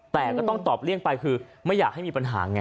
แต่ก็ต้องตอบเลี่ยงไปคือไม่อยากให้มีปัญหาไง